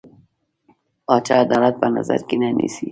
پاچا عدالت په نظر کې نه نيسي.